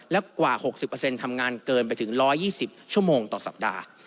และกว่า๖๐ทำงานเกินไปถึง๑๒๐ชั่วโมงต่อสัปดาห์